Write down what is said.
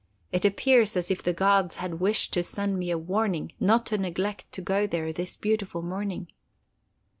It appears as if the gods had wished to send me a warning not to neglect to go there this beautiful morning."